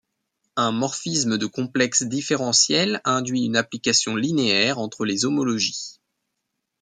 Un morphisme de complexes différentiels induit une application linéaire entre les homologies.